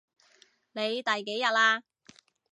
你第幾日喇？